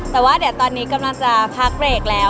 แต่ว่าเดี๋ยวตอนนี้กำลังจะพักเบรกแล้ว